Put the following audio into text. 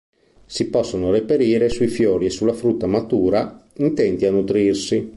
Si possono reperire sui fiori e sulla frutta matura, intenti a nutrirsi.